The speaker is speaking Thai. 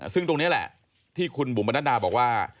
ซึ่งตรงนี้แหละที่คุณบุ๋มมนัดดาบอกว่า